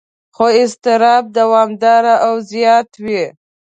خو اضطراب دوامداره او زیات وي.